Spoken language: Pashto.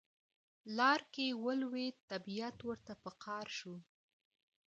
لار کې ولوید طبیعت ورته په قار شو.